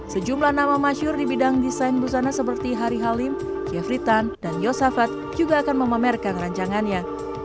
sejumlah nama masyur di bidang desain busana seperti hari halim jeffrey tan dan yosafat juga akan memamerkan rancangannya